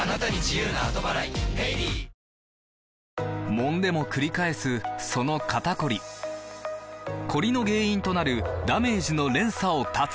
もんでもくり返すその肩こりコリの原因となるダメージの連鎖を断つ！